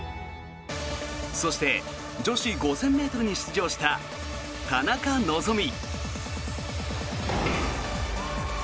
そして女子５０００ｍに出場した田中希実。